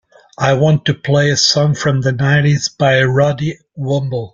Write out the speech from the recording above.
I want to play a song from the nineties by Roddy Woomble